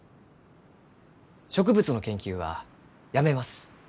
植物の研究はやめます。